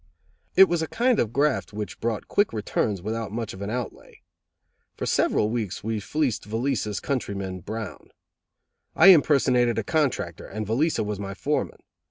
It was a kind of graft which brought quick returns without much of an outlay. For several weeks we fleeced Velica's country men brown. I impersonated a contractor and Velica was my foreman.